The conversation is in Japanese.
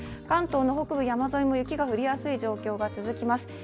関東の北部、山沿いも雪が降りやすい状況が続きます。